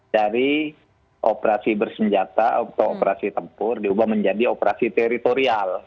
dari operasi bersenjata atau operasi tempur diubah menjadi operasi teritorial